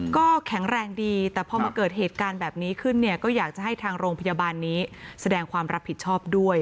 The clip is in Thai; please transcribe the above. ก็แข็งแรงดีแต่พอมาเกิดเหตุการณ์แบบนี้ขึ้นเนี่ยก็อยากจะให้ทางโรงพยาบาลนี้แสดงความรับผิดชอบด้วย